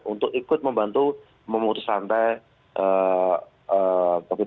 untuk ikut membantu memutus santai covid sembilan belas